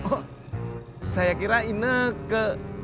oh saya kira ineke